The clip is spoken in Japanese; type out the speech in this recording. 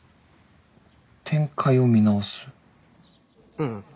うん。